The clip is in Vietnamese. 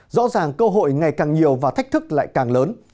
rõ ràng cơ hội ngày càng nhiều và thách thức lại càng lớn